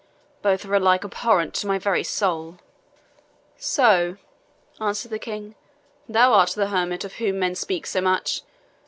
Both are alike abhorrent to my very soul." "So," answered the King, "thou art that hermit of whom men speak so much?